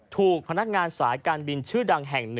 ถูกพนักงานสายการบินชื่อดังแห่ง๑